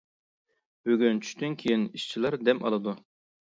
بۈگۈن چۈشتىن كېيىن ئىشچىلار دەم ئالىدۇ.